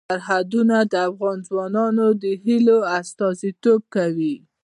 سرحدونه د افغان ځوانانو د هیلو استازیتوب کوي.